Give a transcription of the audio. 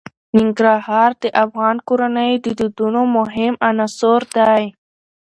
ننګرهار د افغان کورنیو د دودونو مهم عنصر دی.